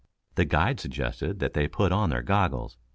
The guide suggested that they put on their goggles.